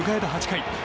８回。